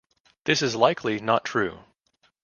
This is likely not true.